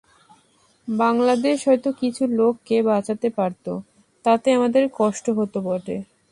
বাংলাদেশ হয়তো কিছু লোককে বাঁচাতে পারত, তাতে আমাদের কষ্ট হতো বটে।